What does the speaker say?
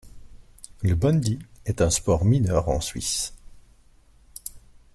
Le bandy est un sport mineur en Suisse.